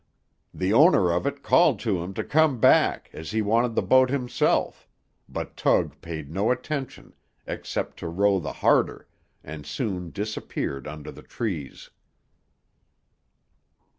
The owner of it called to him to come back, as he wanted the boat himself; but Tug paid no attention, except to row the harder, and soon disappeared under the trees.